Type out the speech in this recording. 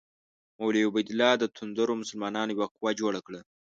مولوي عبیدالله د توندرو مسلمانانو یوه قوه جوړه کړه.